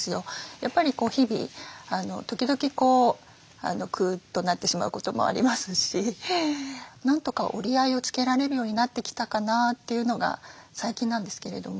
やっぱり日々時々くっとなってしまうこともありますしなんとか折り合いをつけられるようになってきたかなというのが最近なんですけれども。